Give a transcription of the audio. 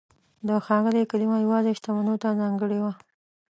د "ښاغلی" کلمه یوازې شتمنو ته ځانګړې وه.